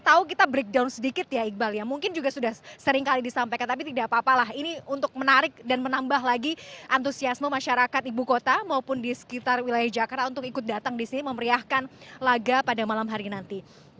kita tahu kita breakdown sedikit ya iqbal ya mungkin juga sudah sering kali disampaikan tapi tidak apa apalah ini untuk menarik dan menambah lagi antusiasme masyarakat ibu kota maupun di sekitar wilayah jakarta untuk ikut datang disini memeriahkan laga pada malam hari nanti